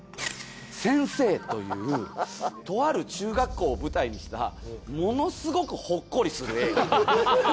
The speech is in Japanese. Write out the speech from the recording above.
『せんせい』というとある中学校を舞台にしたものすごくほっこりする映画。